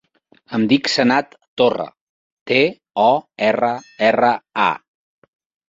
Em dic Sanad Torra: te, o, erra, erra, a.